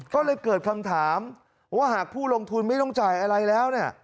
ก็เลยเกิดคำถามว่าหากผู้ลงทุนไม่ต้องจ่ายอะไรแล้วเนี่ย